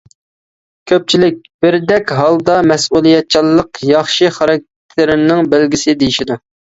كۆپچىلىك بىردەك ھالدا مەسئۇلىيەتچانلىق ياخشى خاراكتېرنىڭ بەلگىسى دېيىشىدۇ.